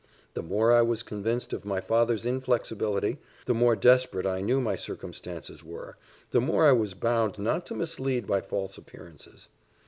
The more I was convinced of my father's inflexibility, the more desperate I knew my circumstances were, the more I was bound not to mislead by false appearances.